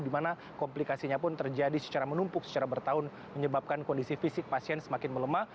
di mana komplikasinya pun terjadi secara menumpuk secara bertahun menyebabkan kondisi fisik pasien semakin melemah